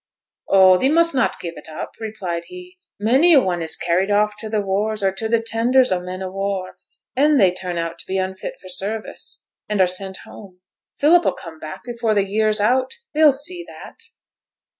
'Oh! thee must not give it up,' replied he. 'Many a one is carried off to the wars, or to the tenders o' men o' war; and then they turn out to be unfit for service, and are sent home. Philip 'll come back before the year's out; thee'll see that.'